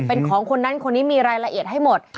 เป็นของคนนั้นคนนี้มีรายละเอียดให้หมด